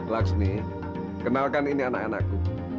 laksmi kenalkan ini anak anakku